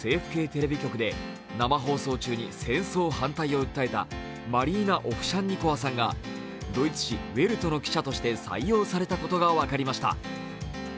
テレビ局で生放送中に戦争反対を訴えたマリーナ・オブシャンニコワさんがドイツ紙「ウェルト」の記者として採用されたことが分かりました。